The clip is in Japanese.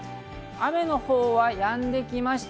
雨のほうはやんできました。